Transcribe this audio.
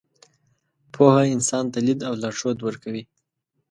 پوهه انسان ته لید او لارښود ورکوي.